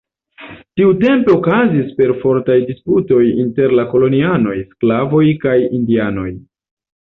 Tiutempe okazis perfortaj disputoj inter la kolonianoj, sklavoj, kaj indianoj.